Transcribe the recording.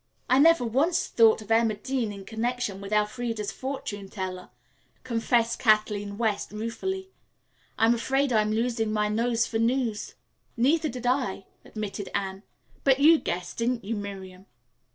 "I never once thought of Emma Dean in connection with Elfreda's fortune teller," confessed Kathleen West ruefully. "I am afraid I'm losing my nose for news." "Neither did I," admitted Anne. "But you guessed it, didn't you, Miriam?"